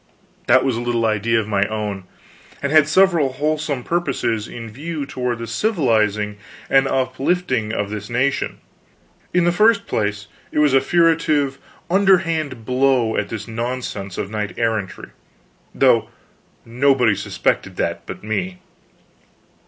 _ That was a little idea of my own, and had several wholesome purposes in view toward the civilizing and uplifting of this nation. In the first place, it was a furtive, underhand blow at this nonsense of knight errantry, though nobody suspected that but me.